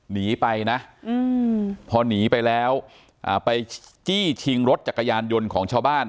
หนีไปนะพอหนีไปแล้วไปจี้ชิงรถจักรยานยนต์ของชาวบ้าน